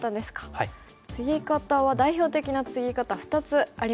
ツギ方は代表的なツギ方２つありますかね。